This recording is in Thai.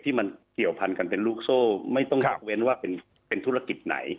ที่มันเกี่ยวพันกันเป็นลูกโซ่ไม่ต้องยกเว้นว่าเป็นธุรกิจไหน